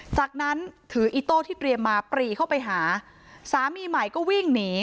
จากนั้นถืออีโต้ที่เตรียมมาปรีเข้าไปหาสามีใหม่ก็วิ่งหนี